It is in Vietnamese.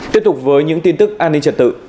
tiếp tục với những tin tức an ninh trật tự